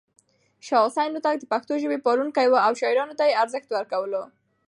شاه حسين هوتک د پښتو ژبې پالونکی و او شاعرانو ته يې ارزښت ورکولو.